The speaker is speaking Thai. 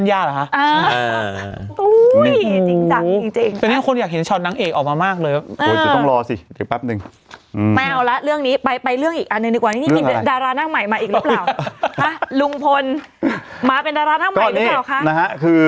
ดารานักใหม่มาอีกรึเปล่าฮะรุงพลมาเป็นดารานักใหม่รึเปล่าคะ